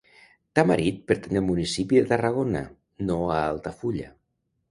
Tamarit pertany al municipi de Tarragona, no a Altafulla.